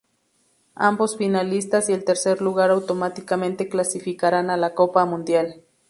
Ambos finalistas y el tercer lugar automáticamente clasificarán a la Copa Mundial.